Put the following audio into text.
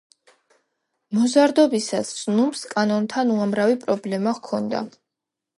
მოზარდობისას სნუპს კანონთან უამრავი პრობლემა ჰქონია.